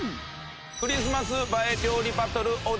クリスマス映え料理バトルお題